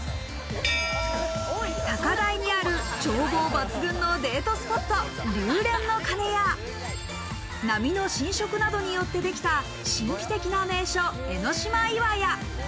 高台にある眺望抜群のデートスポット、龍恋の鐘や波の浸食などによって出来た神秘的な名所・江の島岩屋。